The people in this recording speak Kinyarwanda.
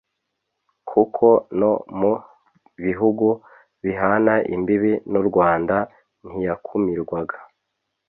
kuko no mu bihugu bihana imbibi n’u Rwanda ntiyakumirwaga